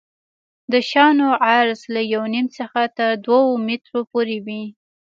د شانو عرض له یو نیم څخه تر دوه مترو پورې وي